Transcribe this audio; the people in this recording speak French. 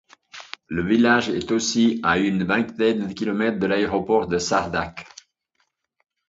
Le village est aussi à une vingtaine de kilomètres de l'aéroport de Çardak.